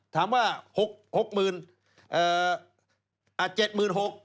ถามว่าหกหมื่นเอ่อเจ็ดหมื่นหก